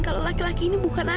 kalau laki laki ini bukan ayah